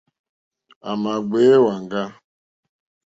À mà gbèyá èwàŋgá.